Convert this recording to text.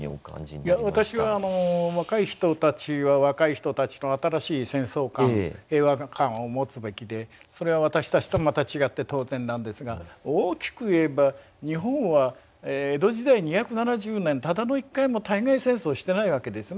私はあの若い人たちは若い人たちの新しい戦争観平和観を持つべきでそれは私たちとまた違って当然なんですが大きく言えば日本は江戸時代２７０年ただの一回も対外戦争してないわけですね。